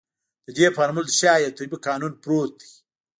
د دې فورمول تر شا يو طبيعي قانون پروت دی.